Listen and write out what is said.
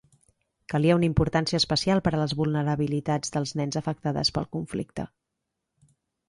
Calia una importància especial per a les vulnerabilitats dels nens afectades pel conflicte.